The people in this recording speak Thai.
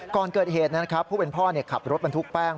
ก่อนเกิดเหตุนะครับผู้เป็นพ่อขับรถบรรทุกแป้ง